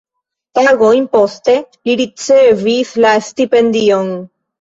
Tagojn poste, li ricevis la stipendion.